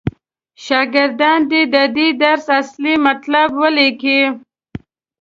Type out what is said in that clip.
شاګردان دې د دې درس اصلي مطلب ولیکي.